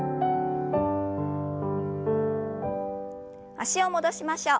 脚を戻しましょう。